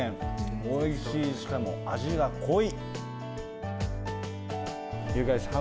おいしい、しかも味が濃い。